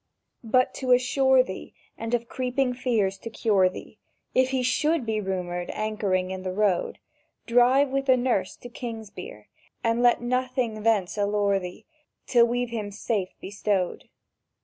"But, to assure thee, And of creeping fears to cure thee, If he should be rumoured anchoring in the Road, Drive with the nurse to Kingsbere; and let nothing thence allure thee Till we've him safe bestowed.